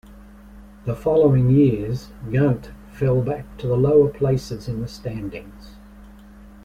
The following years, Ghent fell back to the lower places in the standings.